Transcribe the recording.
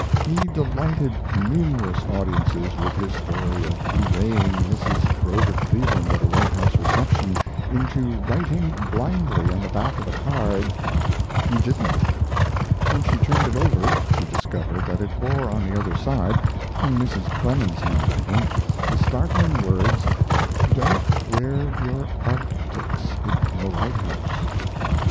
He delighted numerous audiences with his story of inveighing Mrs. Grover Cleveland at a White House reception into writing blindly on the back of a card "He didn't." When she turned it over she discovered that it bore on the other side, in Mrs. Clemens' handwriting, the startling words: "Don't wear your arctics in the White House."